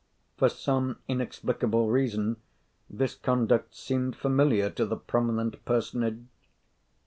For some inexplicable reason this conduct seemed familiar to the prominent personage.